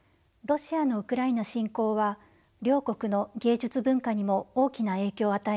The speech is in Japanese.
ロシアのウクライナ侵攻は両国の芸術文化にも大きな影響を与えました。